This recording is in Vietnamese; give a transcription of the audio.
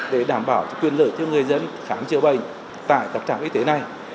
để đảm bảo quyền lợi cho người dân khám chữa bệnh tại các trạm y tế này